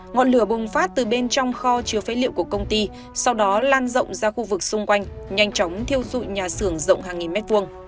ngọn lửa bùng phát từ bên trong kho chứa phế liệu của công ty sau đó lan rộng ra khu vực xung quanh nhanh chóng thiêu dụi nhà xưởng rộng hàng nghìn mét vuông